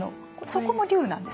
そこも竜なんですか？